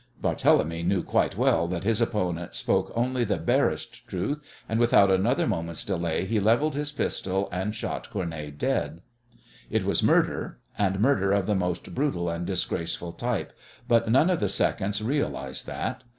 Barthélemy knew quite well that his opponent spoke only the barest truth, and without another moment's delay he levelled his pistol and shot Cournet dead. It was murder, and murder of the most brutal and disgraceful type, but none of the seconds realized that.